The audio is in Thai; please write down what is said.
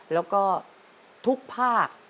แล้วก็ทุกภาค